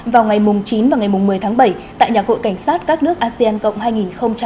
vào ngày chín và ngày một mươi tháng bảy tại nhà hội cảnh sát các nước asean cộng hai nghìn hai mươi